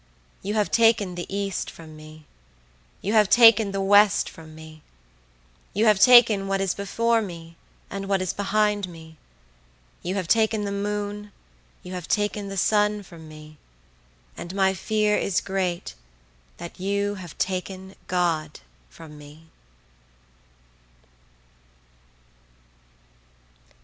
You have taken the east from me; you have taken the west from me; you have taken what is before me and what is behind me; you have taken the moon, you have taken the sun from me; and my fear is great that you have taken God from me!